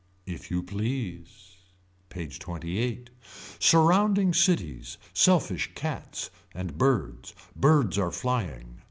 If you please. PAGE XXVIII. Surrounding cities. Selfish cats. And birds. Birds are flying.